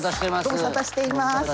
ご無沙汰しています。